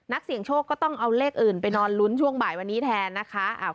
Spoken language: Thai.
เสี่ยงโชคก็ต้องเอาเลขอื่นไปนอนลุ้นช่วงบ่ายวันนี้แทนนะคะ